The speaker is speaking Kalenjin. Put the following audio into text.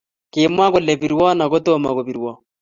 Kimwa kole pirwo akotomo kopirwo